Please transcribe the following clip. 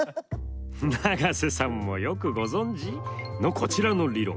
永瀬さんもよくご存じ？のこちらの理論。